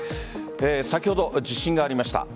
先ほど、地震がありました。